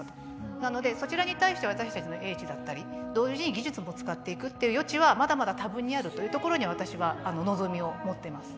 なのでそちらに対して私たちの英知だったり同時に技術も使っていくっていう余地はまだまだ多分にあるというところに私は望みを持ってます。